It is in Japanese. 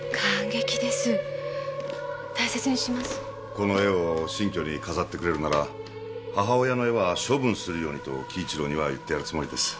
この絵を新居に飾ってくれるなら母親の絵は処分するようにと輝一郎には言ってやるつもりです。